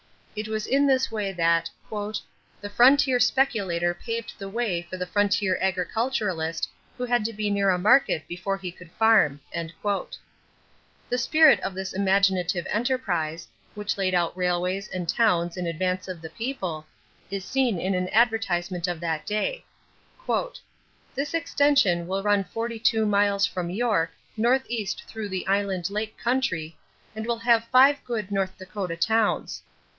It was in this way that "the frontier speculator paved the way for the frontier agriculturalist who had to be near a market before he could farm." The spirit of this imaginative enterprise, which laid out railways and towns in advance of the people, is seen in an advertisement of that day: "This extension will run 42 miles from York, northeast through the Island Lake country, and will have five good North Dakota towns.